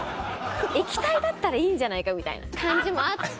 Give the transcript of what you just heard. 液体だったらいいんじゃないかみたいな感じもあって。